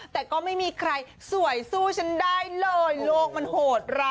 แต่ก็ไม่มีใครสวยสู้ฉันได้เลยโลกมันโหดร้าย